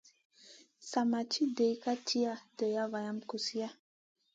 Sa ma ci dill ka tiya, dilla valam kusiya.